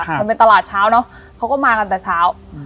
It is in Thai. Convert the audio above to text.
มันเป็นตลาดเช้าเนอะเขาก็มากันแต่เช้า